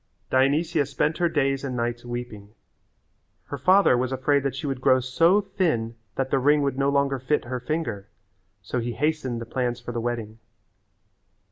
Dionysia spent her days and nights weeping. Her father was afraid that she would grow so thin that the ring would no longer fit her finger, so he hastened the plans for the wedding.